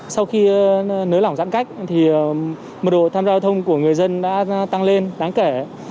sau khi nới lỏng giãn cách mật độ tham gia giao thông của người dân đã tăng lên đáng kể